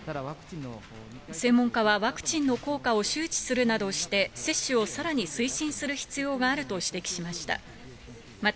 専門家は、ワクチンの効果を周知するなどして、接種をさらに推進する必要があると指摘しました。